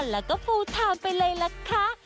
แล้วก็ฟูลไทม์ไปเลยล่ะคะ